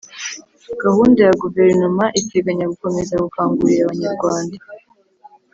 Gahunda ya Guverinoma iteganya gukomeza gukangurira Abanyarwanda